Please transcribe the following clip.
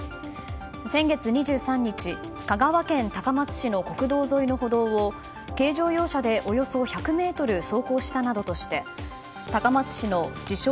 先月２３日香川県高松市の国道沿いの歩道を軽乗用車で、およそ１００ｍ走行したなどとして高松市の自称